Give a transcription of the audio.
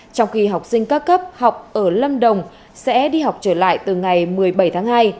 trong khi học sinh các cấp học ở lâm đồng sẽ đi học trở lại từ ngày một mươi bảy tháng hai